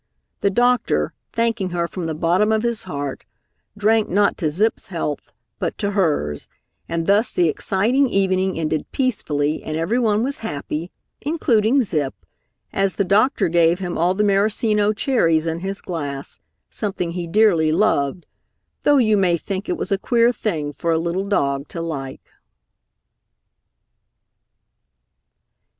The doctor, thanking her from the bottom of his heart, drank not to Zip's health, but to hers, and thus the exciting evening ended peacefully and everyone was happy, including Zip, as the doctor gave him all the Maraschino cherries in his glass, something he dearly loved, though you may think it was a queer thing for a little dog to like.